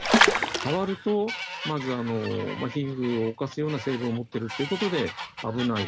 触ると、まず皮膚を侵すような成分を持っているということで危ない。